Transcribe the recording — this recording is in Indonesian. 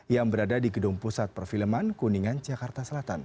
yang berada di gedung pusat perfilman kuningan jakarta selatan